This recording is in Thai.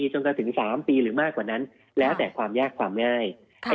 จนถึง๓ปีหรือมากกว่านั้นแล้วแต่ความยากความง่าย